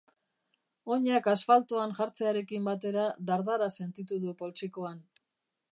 Oinak asfaltoan jartzearekin batera dardara sentitu du poltsikoan.